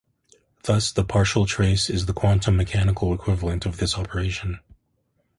Thus the partial trace is the quantum mechanical equivalent of this operation.